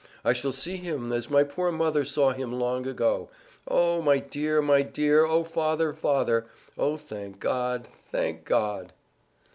I shall see him, as my poor mother saw him long ago! O my dear, my dear! O father, father! O thank God, thank God!"